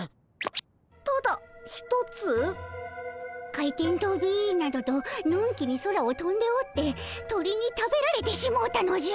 回転とびなどとのんきに空をとんでおって鳥に食べられてしもうたのじゃ。